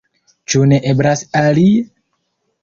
Ĉu ne eblas alie?